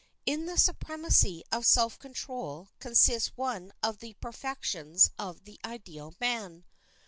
In the supremacy of self control consists one of the perfections of the ideal man.